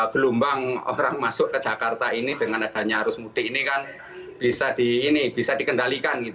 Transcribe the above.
gelombang orang masuk ke jakarta ini dengan adanya arus mudik ini kan bisa dikendalikan